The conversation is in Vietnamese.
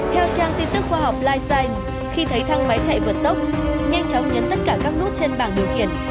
theo trang tin tức khoa học life khi thấy thang máy chạy vượt tốc nhanh chóng nhấn tất cả các nút trên bảng điều khiển